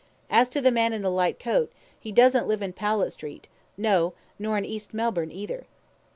As to the man in the light coat, he doesn't live in Powlett Street no nor in East Melbourne either."